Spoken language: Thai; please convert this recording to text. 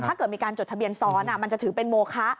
ถ้าเกิดมีการจดทะเบียนซ้อนมันจะถือเป็นโมคะ